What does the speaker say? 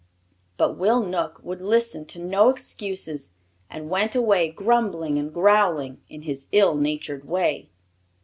But Will Knook would listen to no excuses, and went away grumbling and growling in his ill natured way.